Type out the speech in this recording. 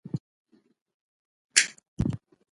ټولنیز نهاد د چلند د لارښوونې یوه سرچینه ده.